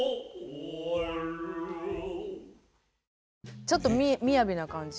ちょっとみやびな感じ。